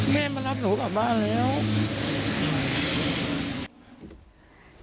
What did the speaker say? แค่เดี๋ยวอีกหนึ่ง